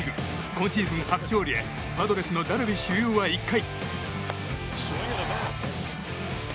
今シーズン初勝利へパドレスのダルビッシュ有は１回。